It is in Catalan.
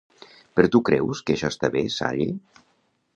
Però tu creus que això està bé, Sally?